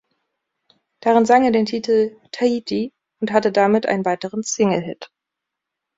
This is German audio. Darin sang er den Titel "Tahiti" und hatte damit einen weiteren Singlehit.